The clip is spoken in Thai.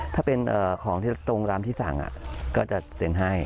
ถ้าเป็นของที่ตรงร้านที่สั่งก็จะเสียงให้